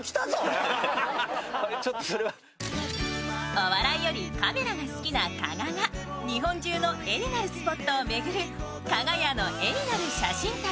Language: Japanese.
お笑いよりカメラが好きな加賀が日本中の絵になるスポットを巡る「かが屋の絵になる写真旅」